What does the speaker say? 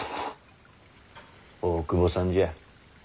大久保さんじゃ。